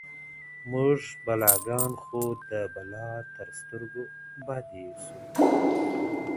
o موږ بلاگان خو د بلا تر سـتـرگو بـد ايـسـو.